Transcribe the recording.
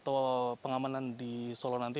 ataupun tindak atau pengamanan di solo nanti